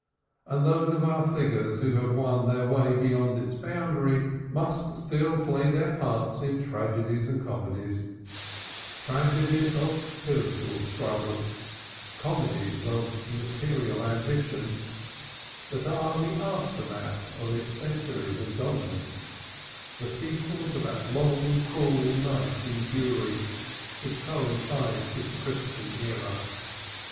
And they who have won their way beyond its boundaries must still play their parts in tragedies and comedies tragedies of spiritual struggle, comedies of material ambition which are the aftermath of its centuries of dominance, the sequel of that long cruel night in Jewry which coincides with the Christian Era.